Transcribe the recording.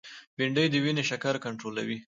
بېنډۍ د وینې شکر کنټرولوي